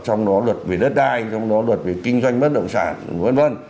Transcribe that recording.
trong đó luật về đất đai trong đó luật về kinh doanh bất động sản v v